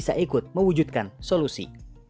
dan berikut mewujudkan solusi